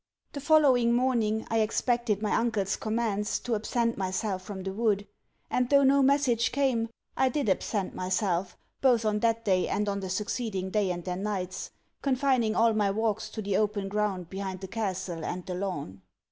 The following morning, I expected my uncle's commands to absent myself from the wood; and though no message came, I did absent myself, both on that day and on the succeeding day and their nights, confining all my walks to the open ground behind the castle and the lawn.